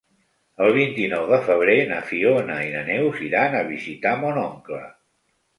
El vint-i-nou de febrer na Fiona i na Neus iran a visitar mon oncle.